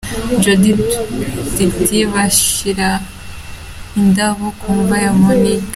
Judo & Tyty bashyira indabo ku mva ya Monique.